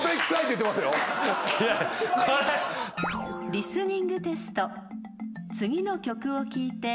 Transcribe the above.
［リスニングテスト］